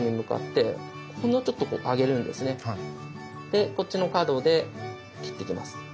でこっちの角で切っていきます。